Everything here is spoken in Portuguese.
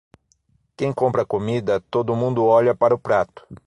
Quem compra a comida, todo mundo olha para o prato.